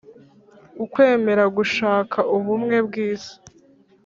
ukwemera gushaka ubumwe bw’isi